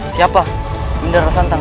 siapa yundara rasantang